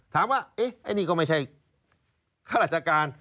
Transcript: ถามว่าไอ้นี่ก็ไม่ใช่ฆราชการ